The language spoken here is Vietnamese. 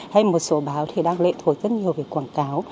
hay một số báo thì đang lệ thổi rất nhiều về quảng cáo